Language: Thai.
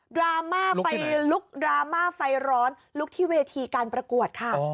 ดราม่าไฟลุกดราม่าไฟร้อนลุกที่เวทีการประกวดค่ะ